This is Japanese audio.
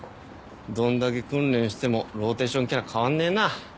どんだけ訓練してもローテンションキャラ変わんねえな。